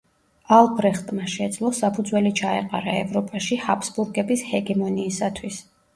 ალბრეხტმა შეძლო საფუძველი ჩაეყარა ევროპაში ჰაბსბურგების ჰეგემონიისათვის.